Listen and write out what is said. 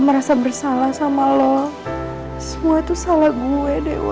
gua udah pas manti tuh